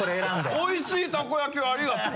おいしいたこ焼きをありがとう。